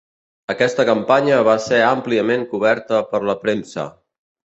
Aquesta campanya va ser àmpliament coberta per la premsa.